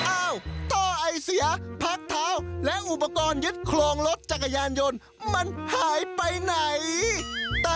อ้าวต่อไอเสียพักเท้าและอุปกรณ์ยึดโครงรถจักรยานยนต์มันหายไปไหน